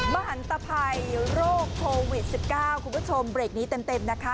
มหันตภัยโรคโควิด๑๙คุณผู้ชมเบรกนี้เต็มนะคะ